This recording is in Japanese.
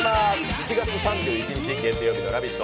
７月３１日月曜日の「ラヴィット！」